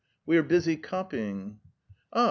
"We are busy copying." "Ah!